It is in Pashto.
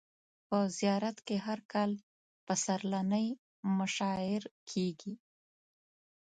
په زیارت یې هر کال پسرلنۍ مشاعر کیږي.